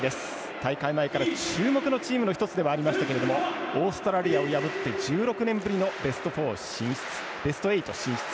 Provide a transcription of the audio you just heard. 大会前から注目のチームの１つでもありましたがオーストラリアを破って１６年ぶりのベスト８進出。